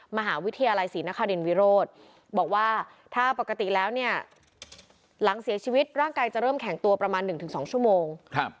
มหาวิทยาลัยศรีนครินวิโรธบอกว่าถ้าปกติแล้วเนี่ยหลังเสียชีวิตร่างกายจะเริ่มแข็งตัวประมาณ๑๒ชั่วโมง